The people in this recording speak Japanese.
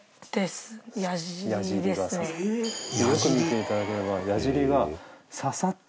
よく見ていただければ矢尻が。